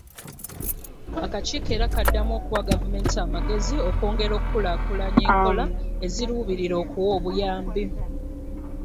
Akakiiko era kaddamu okuwa Gavumenti amagezi okwongera okukulaakulanya enkola eziruubirira okuwa obuyambi.